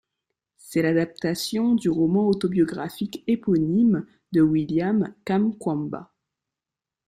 C'est l'adaptation du roman autobiographique éponyme de William Kamkwamba.